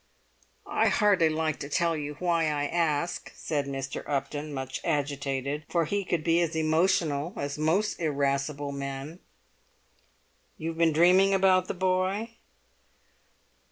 "I hardly like to tell you why I ask," said Mr. Upton, much agitated; for he could be as emotional as most irascible men. "You've been dreaming about the boy?"